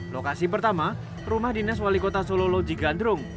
lokasi pertama rumah dinas wali kota solo loji gandrung